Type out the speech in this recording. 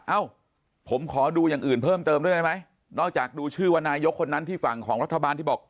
เอ้าผมขอดูอย่างอื่นเพิ่มเติมด้วยได้ไหมนอกจากดูชื่อว่านายกคนนั้นที่ฝั่งของรัฐบาลที่บอก